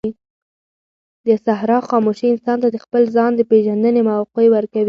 د صحرا خاموشي انسان ته د خپل ځان د پېژندنې موقع ورکوي.